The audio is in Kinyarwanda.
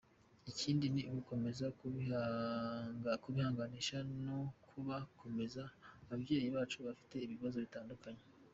Ikindi ni ugukomeza kubihanganisha no kubakomeza ababyeyi bacu bafite ibibazo bitandukanye.